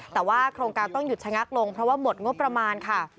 แต่ว่าโครงการต้องหยุดชะงักลงเพราะว่าหมดงบประมาณค่ะ